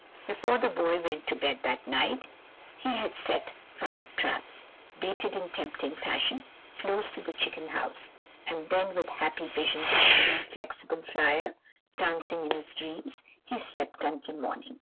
Before the boy went to bed that night, he had set five traps, baited in tempting fashion, close to the chicken house, and then with happy visions of the new Flexible Flyer dancing in his dreams he slept until morning.